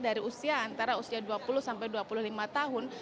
dari usia antara usia dua puluh sampai dua puluh lima tahun